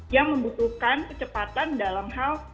yang membutuhkan kecepatan dalam hal